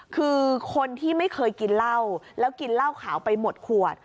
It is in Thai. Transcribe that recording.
คือคนที่ไม่เคยกินเหล้าแล้วกินเหล้าขาวไปหมดขวด